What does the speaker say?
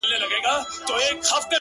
ماته هينداره څو نارونه او د خدای تصور”